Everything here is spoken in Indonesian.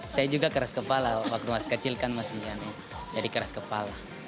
saya juga keras kepala waktu masih kecil kan masih jadi keras kepala